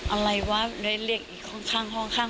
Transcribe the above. อะไรวะเรียกอีกข้างบอก